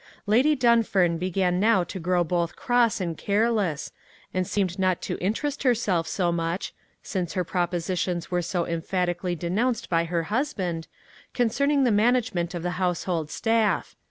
Lady Dunfern began now to grow both cross and careless, and seemed not to interest herself so much (since her propositions were so emphatically denounced by her husband) concerning the management of the household staff.